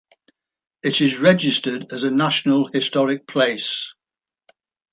It is registered as a National Historic Place.